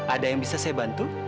ada yang bisa saya bantu